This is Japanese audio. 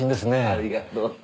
ありがとう。